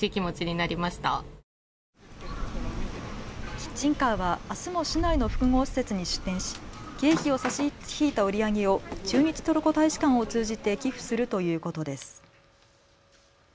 キッチンカーはあすも市内の複合施設に出店し経費を差し引いた売り上げを駐日トルコ大使館を通じて寄付するということです。